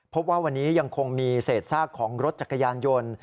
พบว่าวันนี้ยังคงมีเศษซากของรถจักรยานยนต์